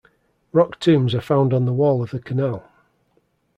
Rock tombs are found on the wall of the canal.